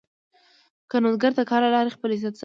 کروندګر د کار له لارې خپل عزت ساتي